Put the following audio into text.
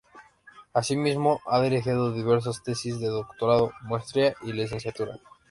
Asimismo, ha dirigido diversas tesis de doctorado, maestría y licenciatura.